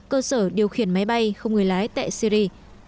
cơ sở điều khiển máy bay không người lái tại syri